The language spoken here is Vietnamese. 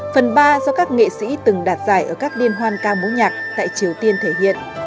phần ba do các nghệ sĩ từng đạt giải ở các liên hoan ca mối nhạc tại triều tiên thể hiện